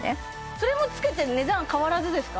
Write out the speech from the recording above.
それも付けて値段変わらずですか？